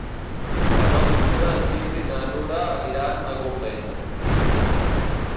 El nou d'octubre en Gil i na Nura aniran a Golmés.